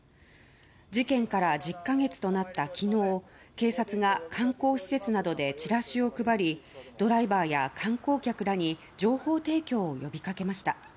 事件から１０か月となった昨日警察が観光施設などでチラシを配りドライバーや観光客らに情報提供を呼びかけました。